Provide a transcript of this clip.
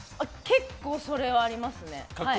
結構それはありますね。